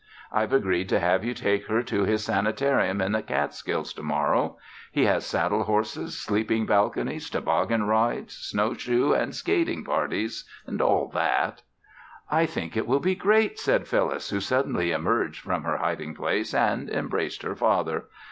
I've agreed to have you take her to his sanitarium in the Catskills to morrow. He has saddle horses, sleeping balconies, toboggan slides, snow shoe and skating parties and all that." "I think it will be great," said Phyllis, who suddenly emerged from her hiding place and embraced her father.